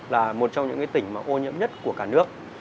là một trong những cái tỉnh mà ô nhiễm nhất của cả nước